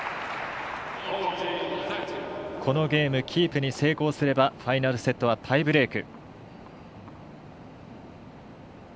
このゲームキープに成功すればファイナルセットはタイブレーク。